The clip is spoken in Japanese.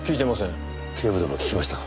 警部殿聞きましたか？